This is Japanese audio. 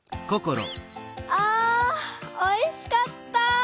あおいしかった。